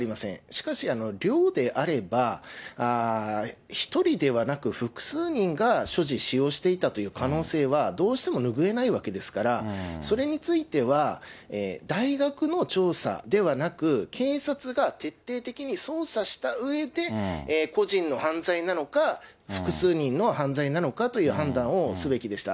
しかし、寮であれば、１人ではなく複数人が所持、使用していたという可能性がどうしても拭えないわけですから、それについては大学の調査ではなく、警察が徹底的に捜査したうえで、個人の犯罪なのか、複数人の犯罪なのかという判断をすべきでした。